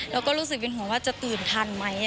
แล้วก็รู้สึกเป็นห่วงว่าจะตื่นทันไหม